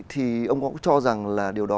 thì ông cũng cho rằng là điều đó